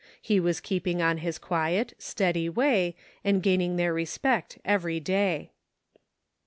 He was keeping on his quiet, steady way^ and gaining their respect every day.